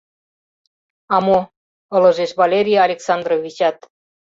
— А мо? — ылыжеш Валерий Александровичат.